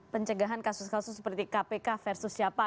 pencegahan kasus kasus seperti kpk versus siapa gitu ya misalnya